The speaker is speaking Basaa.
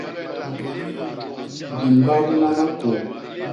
Di mbabna makôô.